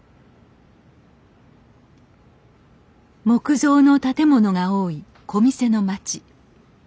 木造の建物が多いこみせの町。